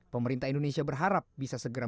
pemerintah indonesia berharap bisa segera